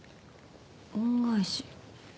恩返し？